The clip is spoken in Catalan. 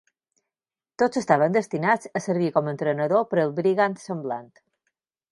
Tots estaven destinats a servir com a entrenador per al Brigand semblant.